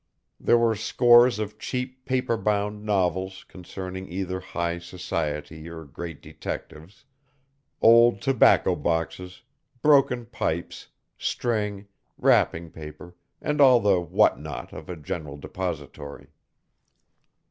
There were scores of cheap paper bound novels concerning either high society or great detectives, old tobacco boxes, broken pipes, string, wrapping paper, and all the what not of a general depository.